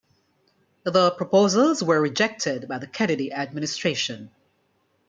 The proposals were rejected by the Kennedy administration.